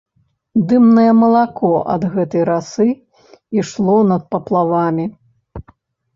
Дымнае малако ад гэтай расы ішло над паплавамі.